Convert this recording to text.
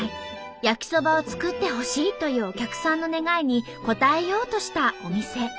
焼きそばを作ってほしいというお客さんの願いに応えようとしたお店。